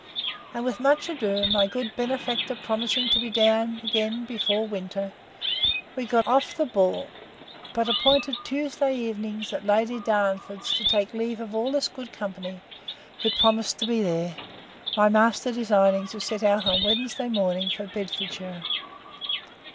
And, with much ado, my good benefactor promising to be down again before winter, we got off the ball; but appointed Tuesday evening, at Lady Darnford's, to take leave of all this good company, who promised to be there, my master designing to set out on Wednesday morning for Bedfordshire.